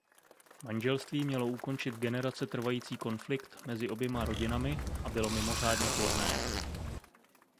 Manželství mělo ukončit generace trvající konflikt mezi oběma rodinami a bylo mimořádně plodné.